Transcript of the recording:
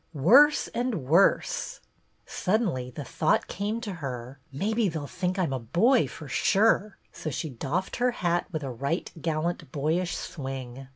Worse and worse ! Suddenly the thought came to her, " Maybe they 'll think I 'm a boy for sure," so she doffed her hat with a right gallant boyish swing.